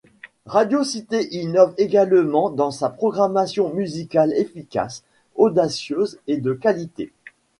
Radio Cité innove également dans sa programmation musicale efficace, audacieuse et de qualité.